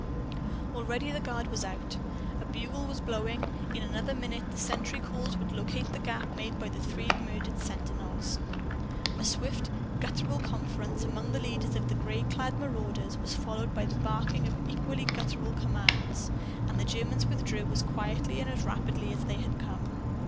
Already the guard was out. A bugle was blowing. In another minute, the sentry calls would locate the gap made by the three murdered sentinels. A swift guttural conference among the leaders of the gray clad marauders was followed by the barking of equally guttural commands. And the Germans withdrew as quietly and as rapidly as they had come.